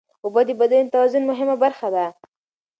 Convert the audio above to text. اوبه د بدن د توازن مهمه برخه ده.